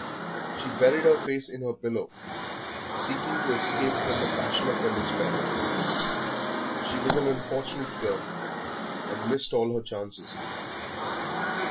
She buried her face in her pillow, seeking to escape from the passion of her despair. She was an unfortunate girl, and had missed all her chances.